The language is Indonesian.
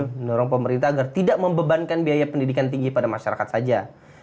mendorong pemerintah agar tidak membebankan biaya pendidikan tinggi pada masyarakat saja